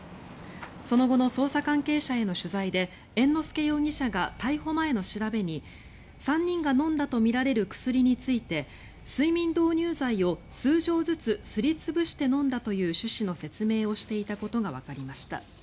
その後の捜査関係者への取材で猿之助容疑者が逮捕前の調べに３人が飲んだとみられる薬について睡眠導入剤を数錠ずつすり潰して飲んだという趣旨の説明をしていたことがわかりました。